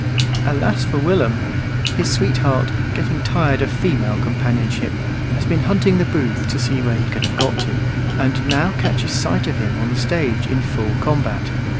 Alas for Willum! His sweetheart, getting tired of female companionship, has been hunting the booths to see where he can have got to, and now catches sight of him on the stage in full combat.